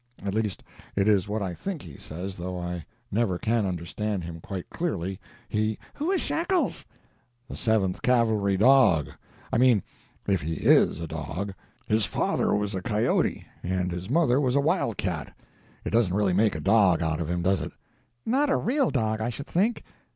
At least it is what I think he says, though I never can understand him quite clearly. He—" "Who is Shekels?" "The Seventh Cavalry dog. I mean, if he is a dog. His father was a coyote and his mother was a wild cat. It doesn't really make a dog out of him, does it?" "Not a real dog, I should think.